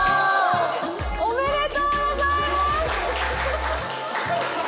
おめでとうございます！